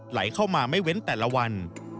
ไหลเข้ามาไม่เว้นแต่ละวัน